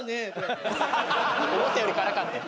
思ったより辛かった。